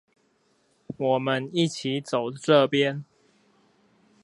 我們一起走這邊